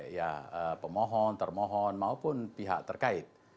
ya pemohon termohon maupun pihak terkait